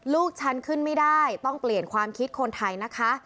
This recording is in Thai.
ลูกฉันขึ้นไม่ได้ต้องเปลี่ยนความคิดคนไทยนะคะ